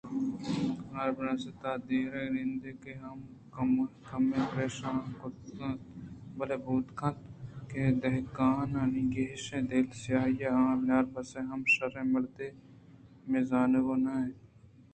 کاف بناربس ءِ تاں دیراں نندگ ءَ ہم کمے پریشان کُتگ اَت بلئے بوت کنت کہ دہکانانی گیشیں دل سیاہی آں آ بناربس ءَ ہم شرّیں مردمے زانگ ءَ نہ اِت اِنت